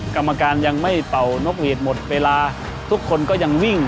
กรรมการยังไม่เป่านกหวีดหมดเวลาทุกคนก็ยังวิ่ง